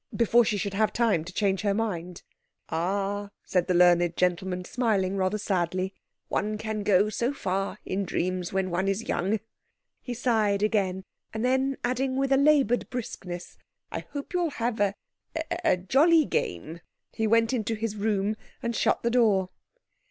before she should have time to change her mind. "Ah," said the learned gentleman, smiling rather sadly, "one can go so far in dreams, when one is young." He sighed again, and then adding with a laboured briskness, "I hope you'll have a—a—jolly game," he went into his room and shut the door.